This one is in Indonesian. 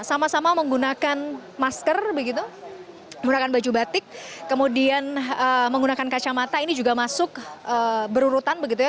sama sama menggunakan masker begitu menggunakan baju batik kemudian menggunakan kacamata ini juga masuk berurutan begitu ya